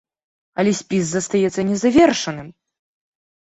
Але спіс застаецца незавершаным!